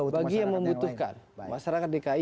bagi yang membutuhkan masyarakat dki